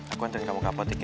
aku anterin kamu ke apotek ya